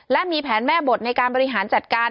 และมีแผนแม่บทในการบริหารจัดการ